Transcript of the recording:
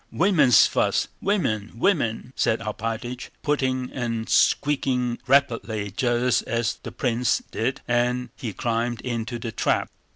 Women's fuss! Women, women!" said Alpátych, puffing and speaking rapidly just as the prince did, and he climbed into the trap.